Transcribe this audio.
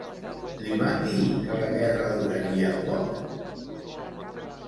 Li van dir que la guerra duraria poc?